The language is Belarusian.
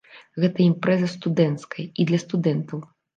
Гэта імпрэза студэнцкая і для студэнтаў.